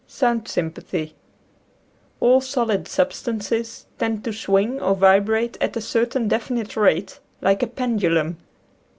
SOUND SYMPATHY. All solid substances tend to swing or vibrate at a certain definite rate, like a pendulum.